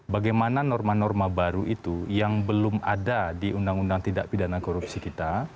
bagaimana norma norma baru itu yang belum ada di undang undang tidak pidana korupsi kita